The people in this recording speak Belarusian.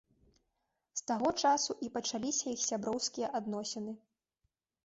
З таго часу і пачаліся іх сяброўскія адносіны.